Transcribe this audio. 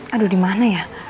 aduh dimana ya